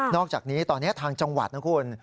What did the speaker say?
อกจากนี้ตอนนี้ทางจังหวัดนะคุณ